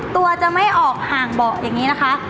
ตัวจะไม่ออกห่างเบาะอย่างนี้นะคะ